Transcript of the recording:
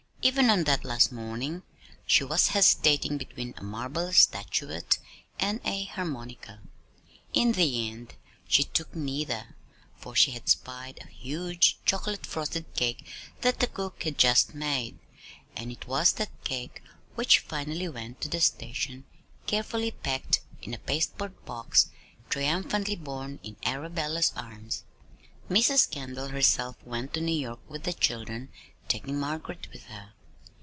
Even on that last morning she was hesitating between a marble statuette and a harmonica. In the end she took neither, for she had spied a huge chocolate frosted cake that the cook had just made; and it was that cake which finally went to the station carefully packed in a pasteboard box and triumphantly borne in Arabella's arms. Mrs. Kendall herself went to New York with the children, taking Margaret with her.